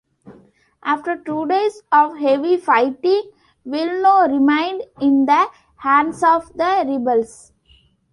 After two days of heavy fighting, Wilno remained in the hands of the rebels.